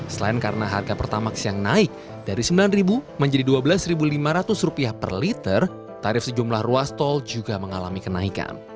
selain karena harga pertama siang naik dari sembilan menjadi dua belas lima ratus rupiah per liter tarif sejumlah ruas tol juga mengalami kenaikan